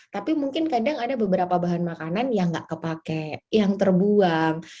tapi mungkin kadang ada beberapa bahan makanan yang nggak kepake yang terbuang